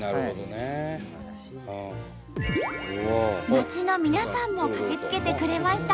町の皆さんも駆けつけてくれました。